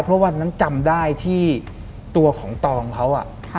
เพราะว่าจำได้ที่ตัวของตองเขา